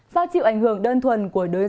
do chịu ảnh hưởng đơn thuần của đối tượng